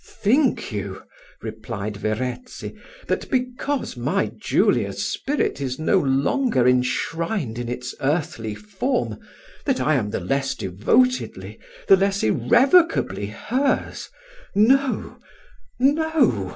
"Think you," replied Verezzi, "that because my Julia's spirit is no longer enshrined in its earthly form, that I am the less devotedly, the less irrevocably hers? No! no!